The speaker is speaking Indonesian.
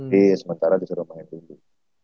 di sementara disuruh main tim ini